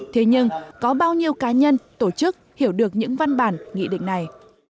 thế nhưng có bao nhiêu cá nhân tổ chức hiểu được những văn bản nghị định này